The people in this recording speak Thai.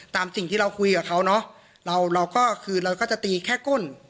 ตามสิ่งที่เราคุยกับเขาเนอะเราเราก็คือเราก็จะตีแค่ก้น